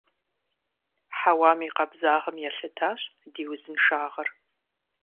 Хьэуам и къабзагъым елъытащ ди узыншагъэр.